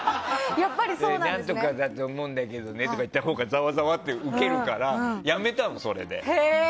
何とかだと思うんだけどねとか言ったほうがウケるからやめたの、それで。